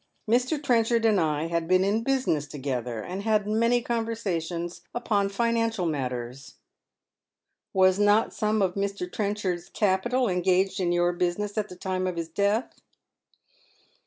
Mr. Trenchard and I had been in business together, and had many conversations upon financial matters." " Was not some of Mr. Trenchard's capital engaged in your business at the time of his death